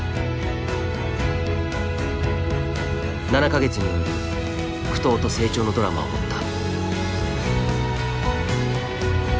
７か月に及ぶ苦闘と成長のドラマを追った。